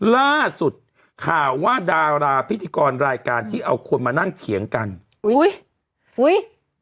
ล่าสุดข่าวว่าดาราพิธีกรรายการที่เอาคนมานั่งเถียงกันอุ้ยอุ้ย